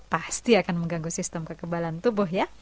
pasti akan mengganggu sistem kekebalan tubuh ya